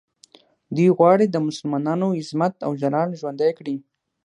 دوی غواړي د مسلمانانو عظمت او جلال ژوندی کړي.